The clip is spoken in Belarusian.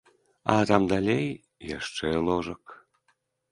А там далей яшчэ ложак.